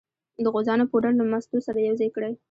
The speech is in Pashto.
د غوزانو پوډر له مستو سره یو ځای کړئ.